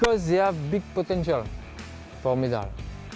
karena mereka memiliki potensi besar untuk medal